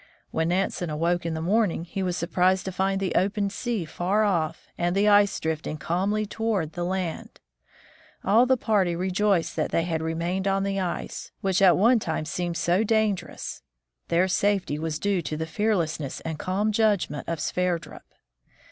When Nansen awoke in the morning, he was surprised to find the open sea far off, and the ice drifting calmly toward the land. All the party rejoiced that they had remained on the ice, which at one time seemed so dan gerous. Their safety was due to the fearlessness and calm judgment of Sverdrup.